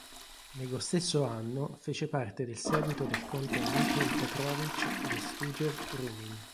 Nello stesso anno fece parte del seguito del conte Michail Petrovič Bestužev-Rumin.